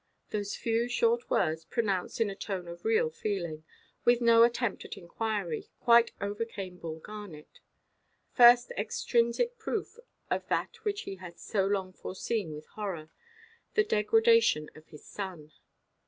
Those few short words, pronounced in a tone of real feeling, with no attempt at inquiry, quite overcame Bull Garnet. First extrinsic proof of that which he had so long foreseen with horror—the degradation of his son.